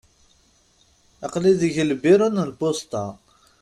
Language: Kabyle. Aql-i deg lbiru n lpusṭa.